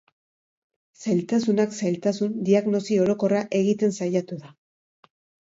Zailtasunak zailtasun, diagnosi orokorra egiten saiatu da.